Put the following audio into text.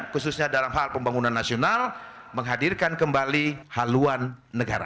khususnya dalam hal pembangunan nasional menghadirkan kembali haluan negara